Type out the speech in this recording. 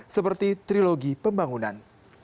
seperti trilogi pembangunan